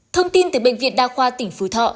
thông tin từ bệnh viện đa khoa tỉnh phú thọ